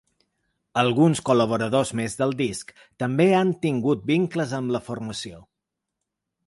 Alguns col·laboradors més del disc també han tingut vincles amb la formació.